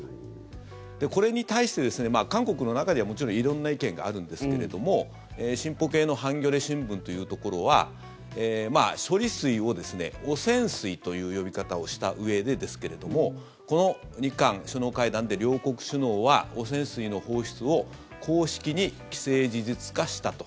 これに対して、韓国の中ではもちろん色んな意見があるんですけれども進歩系のハンギョレ新聞というところは処理水を汚染水という呼び方をしたうえでですけれどもこの日韓首脳会談で両国首脳は汚染水の放出を公式に既成事実化したと。